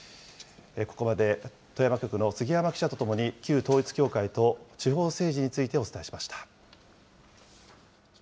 ここまで、富山局の杉山記者とともに旧統一教会と地方政治についてお伝えしました。